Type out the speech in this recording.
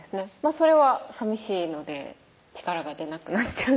それはさみしいので力が出なくなっちゃう